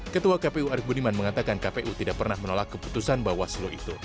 ketua kpu arief budiman mengatakan kpu tidak pernah menolak keputusan bawaslu itu